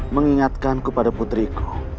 mengingatkanku pada putriku